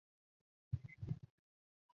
雷纳多成为叛军首领。